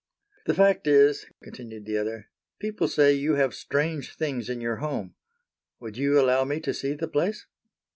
"The fact is," continued the other, "people say you have strange things in your home. Would you allow me to see the place?"